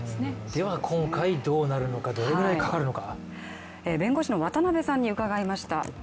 では今回どうなるのか、どれぐらいかかるのか。